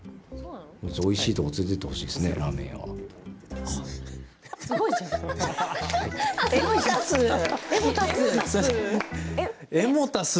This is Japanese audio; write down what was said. おいしいとこ連れてってほしいですね、ラーメン屋は。えもたす。